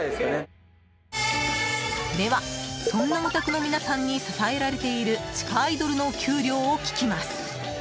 では、そんなオタクの皆さんに支えられている地下アイドルのお給料を聞きます。